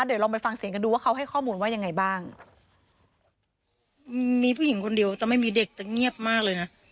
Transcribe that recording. เดี๋ยวเราไปฟังเสียงกันดูว่าเขาให้ข้อมูลว่าอย่างไรบ้าง